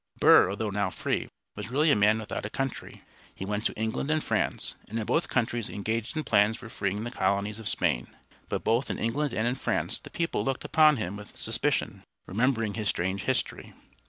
Burr, although now free, was really a man without a country. He went to England and France, and in both countries engaged in plans for freeing the colonies of Spain. But both in England and in France the people looked upon him with suspicion, remembering his strange history.